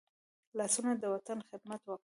لاسونه د وطن خدمت کوي